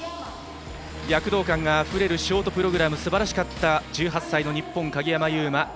躍動感があふれるショートプログラムはすばらしかった１８歳の日本、鍵山優真。